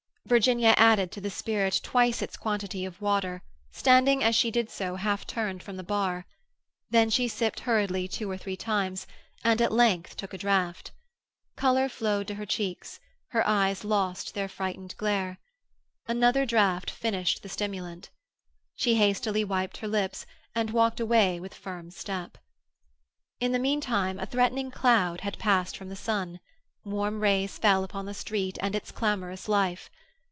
Virginia added to the spirit twice its quantity of water, standing, as she did so, half turned from the bar. Then she sipped hurriedly two or three times, and at length took a draught. Colour flowed to her cheeks; her eyes lost their frightened glare. Another draught finished the stimulant. She hastily wiped her lips, and walked away with firm step. In the meantime a threatening cloud had passed from the sun; warm rays fell upon the street and its clamorous life.